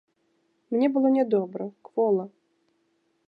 Мне было нядобра, квола.